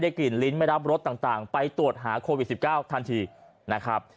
กลิ่นลิ้นไม่รับรสต่างไปตรวจหาโควิด๑๙ทันทีนะครับ